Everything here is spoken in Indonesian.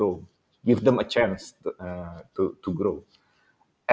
memberi mereka kesempatan untuk tumbuh